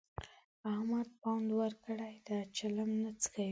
احمد پونده ورکړې ده؛ چلم نه څکوي.